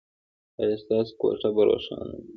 ایا ستاسو کوټه به روښانه نه وي؟